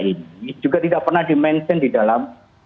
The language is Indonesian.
ini juga tidak pernah dimenjel di dalam